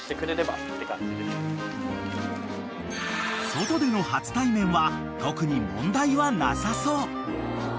［外での初対面は特に問題はなさそう］